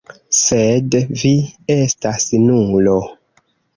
Sed vi estas nulo.